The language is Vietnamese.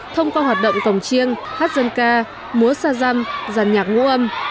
thông qua hoạt động cổng chiêng hát dân ca múa xa răm giàn nhạc ngô âm